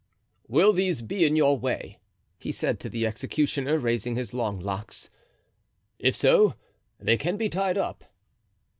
"Will these be in your way?" he said to the executioner, raising his long locks; "if so, they can be tied up."